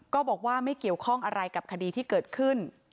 ก็บอกว่าไม่เกี่ยวข้องอะไรกับคดีที่เกิดขึ้น